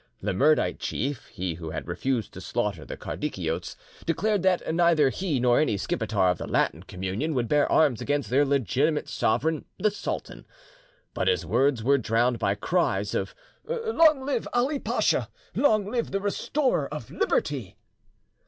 The Mirdite chief, he who had refused to slaughter the Kardikiotes, declared that neither he nor any Skipetar of the Latin communion would bear arms against their legitimate sovereign the sultan. But his words were drowned by cries of "Long live Ali Pasha! Long live the restorer of liberty!"